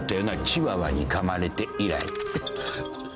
チワワにかまれて以来。